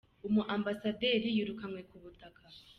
mu Ambasaderi yirukanywe ku butaka.